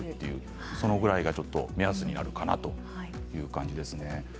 そのぐらい必要目安になるということですね。